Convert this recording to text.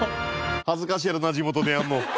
恥ずかしいやろな地元でやるの。